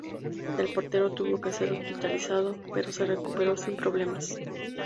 El portero tuvo que ser hospitalizado, pero se recuperó sin problemas.